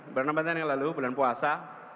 bulan ramadhan yang lalu bulan puasa